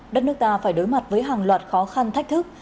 đất nước ta phải đối mặt với hàng loạt khó khăn thách thức